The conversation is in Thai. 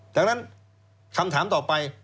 ดังนั้นคำถามต่อไป